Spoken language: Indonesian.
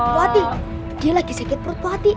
puati dia lagi sakit perut puati